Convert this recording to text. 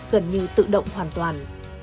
gần như tự động hoàn toàn